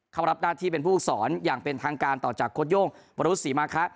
เขารับหน้าที่เป็นผู้สอนอย่างเป็นทางการต่อจากโค้ดโย่งวรุษศรีมาคะ